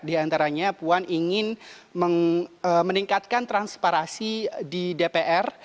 di antaranya puan ingin meningkatkan transparansi di dpr